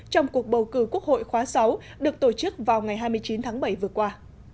trong cuộc bầu cử quốc hội khóa sáu được tổ chức vào ngày hai mươi chín tháng bảy vừa qua